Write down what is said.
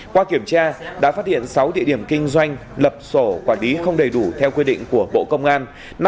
qua kiểm tra đã phát hiện sáu địa điểm kinh doanh lập sổ quản lý không đầy đủ theo quy định của bộ công an